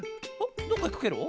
どっかいくケロ？